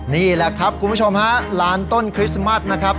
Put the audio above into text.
นี่แหละครับคุณผู้ชมฮะร้านต้นคริสต์มัสนะครับ